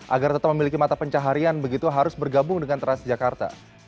agar tetap memiliki mata pencaharian begitu harus bergabung dengan transjakarta